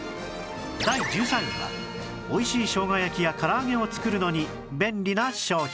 第１３位はおいしいしょうが焼きやから揚げを作るのに便利な商品